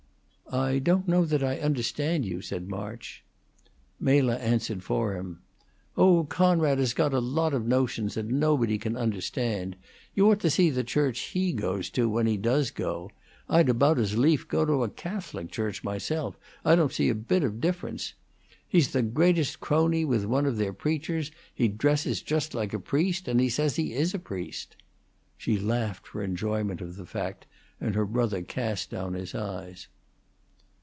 "I don't know that I understand you," said March. Mela answered for him. "Oh, Conrad has got a lot of notions that nobody can understand. You ought to see the church he goes to when he does go. I'd about as lief go to a Catholic church myself; I don't see a bit o' difference. He's the greatest crony with one of their preachers; he dresses just like a priest, and he says he is a priest." She laughed for enjoyment of the fact, and her brother cast down his eyes.